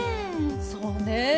そうね。